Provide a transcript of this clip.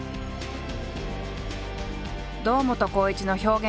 堂本光一の表現